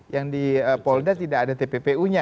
yang di polda tidak ada tppu nya